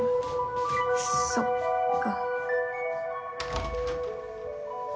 そっか。